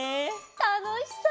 たのしそう！